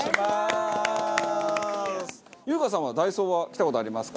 優香さんはダイソーは来た事ありますか？